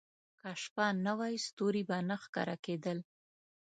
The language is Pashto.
• که شپه نه وای، ستوري نه ښکاره کېدل.